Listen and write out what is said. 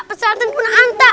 pesawatin kun anta